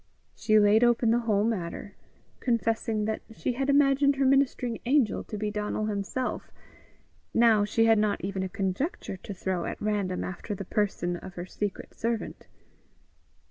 She laid open the whole matter, confessing that she had imagined her ministering angel to be Donal himself: now she had not even a conjecture to throw at random after the person of her secret servant.